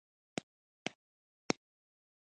ټولې ټولنې په نړۍ کې نابرابرې دي.